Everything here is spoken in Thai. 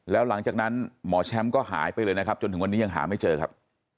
แล้วหลังจากนั้นหมอแชมป์ก็หายไปเลยนะครับจนถึงวันนี้ยังหาไม่เจอครับ